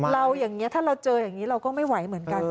เราอย่างนี้ถ้าเราเจออย่างนี้เราก็ไม่ไหวเหมือนกัน